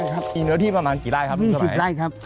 ใช่ครับมีเนื้อที่ประมาณกี่ร่ายครับลุงสมัย๒๐ร่ายครับ